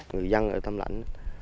người dân ở tàm lãnh